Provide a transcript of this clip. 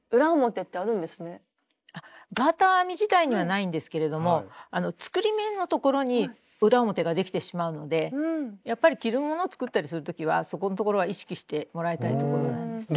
ガーター編み自体にはないんですけれども作り目のところに裏表ができてしまうのでやっぱり着るものを作ったりする時はそこんところは意識してもらいたいところなんですね。